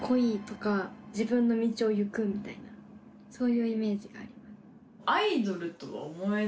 そういうイメージがあります。